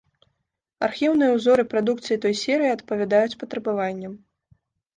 Архіўныя ўзоры прадукцыі той серыі адпавядаюць патрабаванням.